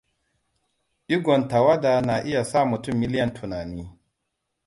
Digon tawada na iya sa mutum miliyan tunani.